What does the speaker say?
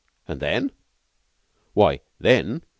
"And then?" "Why, then!"